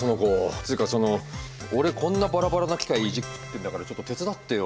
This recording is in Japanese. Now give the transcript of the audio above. っつうかその俺こんなバラバラな機械いじくってんだからちょっと手伝ってよ！